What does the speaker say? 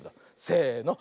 せの。